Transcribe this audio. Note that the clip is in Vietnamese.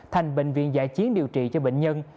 thành bệnh viện giải chiến điều trị cho bệnh nhân